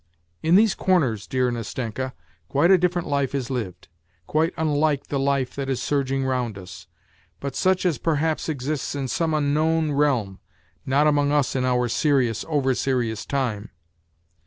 In these corners, dear Nastenka, quite a different life is lived, quite unlike the life that is surging round us, but such as perhaps exists in some unknown realm, not among us in our serious, over serious, time.